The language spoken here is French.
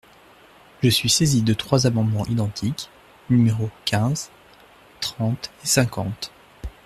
Je suis saisi de trois amendements identiques, numéros quinze, trente et cinquante.